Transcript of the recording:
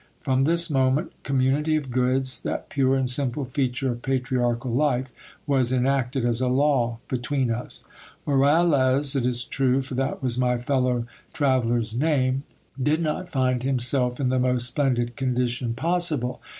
From this moment, community of goods, that pure and simple feature of patriarchal life, was enacted as a law between us. Moralez, it is true, for that was my fellow tra veller's name, did not find himself in the most splendid condition possible.